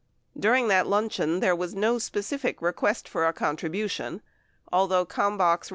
During that luncheon, there was no specific request for a contribution, although 6 Common Cause v.